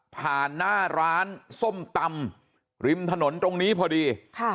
หน้าร้านส้มตำริมถนนตรงนี้พอดี